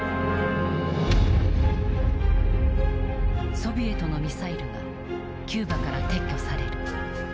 ソビエトのミサイルがキューバから撤去される。